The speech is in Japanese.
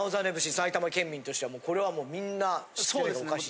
埼玉県民としてはこれはもうみんな知ってないとおかしい？